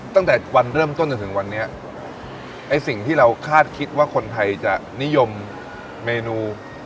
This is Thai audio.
ตั้งแต่วันเริ่มต้นจนถึงวันนี้ไอ้สิ่งที่เราคาดคิดว่าคนไทยจะนิยมเมนู